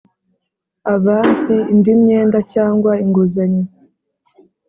Avansi indi myenda cyangwa inguzanyo